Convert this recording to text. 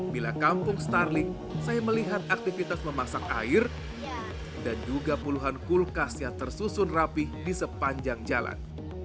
bila kampung starling saya melihat aktivitas memasak air dan juga puluhan kulkas yang tersusun rapih di sepanjang jalan